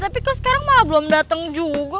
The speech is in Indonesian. tapi kok sekarang malah belum datang juga